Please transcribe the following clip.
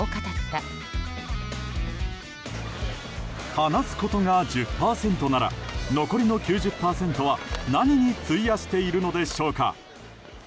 話すことが１０％なら残りの９０％は何に費やしているのでしょうか。